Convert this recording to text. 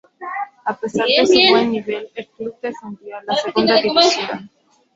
A pesar de su buen nivel, el club descendió a la Segunda División.